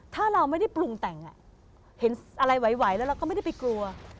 ถ้าเราไม่ได้ปรุงแต่งเห็นอะไรไหวแล้วเราก็ไม่ได้ไปกลัว